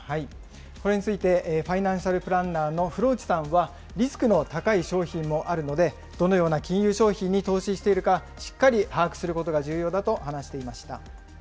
これについてファイナンシャルプランナーの風呂内さんは、リスクの高い商品もあるので、どのような金融商品に投資しているか、しっかり把握することが重要だと話していました。